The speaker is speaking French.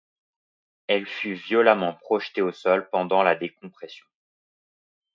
Elle fut violemment projetée au sol pendant la décompression.